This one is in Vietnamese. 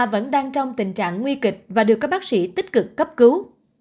và được các bác sĩ tích cực cấp cứu